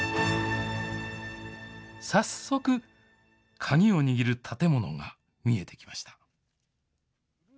早速、鍵を握る建物が見えてきました。